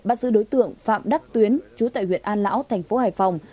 bắt giữ đối tượng phạm đắc tuyến chú tại huyện an lão thành phố hải phòng